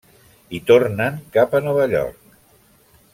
I tornen cap a Nova York.